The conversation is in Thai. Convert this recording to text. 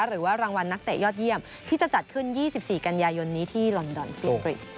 หรือว่ารางวัลนักเตะยอดเยี่ยมที่จะจัดขึ้น๒๔กันยายนนี้ที่ลอนดอนฟิงกฤษ